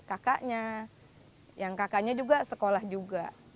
kakaknya yang kakaknya juga sekolah juga